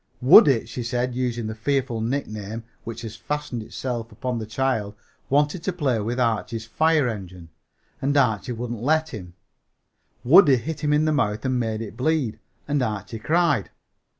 "Woodie," she said, using the fearful nickname which has fastened itself upon the child, "wanted to play with Archie's fire engine, and Archie wouldn't let him. Woodie hit him in the mouth and made it bleed, and Archie cried."